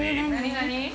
何？